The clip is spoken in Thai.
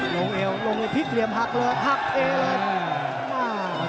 เอวลงเลยพลิกเหลี่ยมหักเลยหักเอเลย